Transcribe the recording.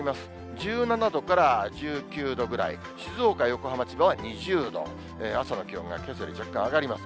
１７度から１９度ぐらい、静岡、横浜、千葉は２０度、朝の気温がけさより若干上がります。